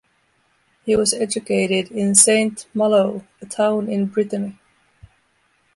He was educated in Saint-Malo, a town in Brittany.